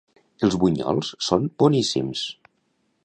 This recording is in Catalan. Els bunyols són boníssims.